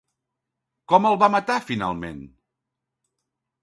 Com el va matar finalment?